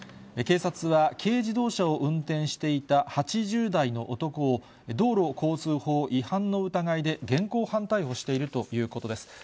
警察は、軽自動車を運転していた８０代の男を、道路交通法違反の疑いで現行犯逮捕しているということです。